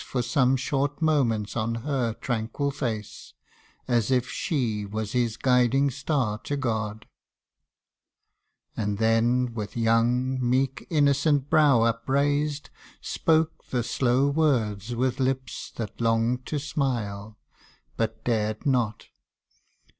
For some short moments on her tranquil face, As if she was his guiding star to God ; And then with young, meek, innocent brow upraised, Spoke the slow words with lips that longed to smile, But dared not.